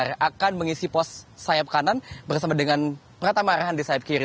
ivar jenner akan mengisi pos sayap kanan bersama dengan prata marhan di sayap kiri